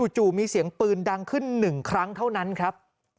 จู่มีเสียงปืนดังขึ้น๑ครั้งเท่านั้นครับ